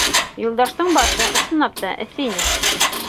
Юлдаштың башы, ысынлап та, эҫе ине.